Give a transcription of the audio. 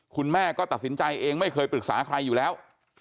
คุณแม่ก็ตัดสินใจเองไม่เคยปรึกษาใครอยู่แล้ว